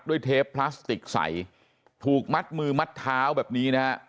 เทปพลาสติกใสถูกมัดมือมัดเท้าแบบนี้นะฮะ